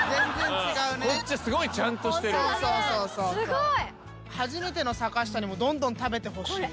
すごい！初めての坂下にもどんどん食べてほしい。